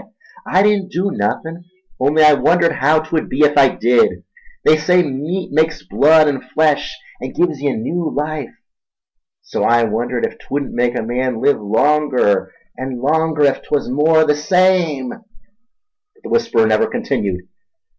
—I didn't do nothin', only I wondered haow 'twud be ef I did— They say meat makes blood an' flesh, an' gives ye new life, so I wondered ef 'twudn't make a man live longer an' longer ef 'twas more the same—" But the whisperer never continued.